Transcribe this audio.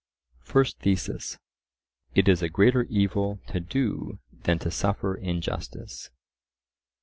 First Thesis:— It is a greater evil to do than to suffer injustice.